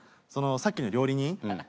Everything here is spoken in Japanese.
そのさっきの料理人。